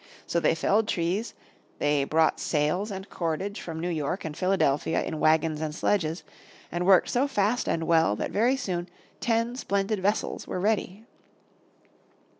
So they felled trees, they brought sails and cordage from New York and Philadelphia in wagons and sledges, and worked so fast and well that very soon ten splendid vessels were ready.